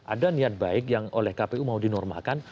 ada niat baik yang oleh kpu mau dinormalkan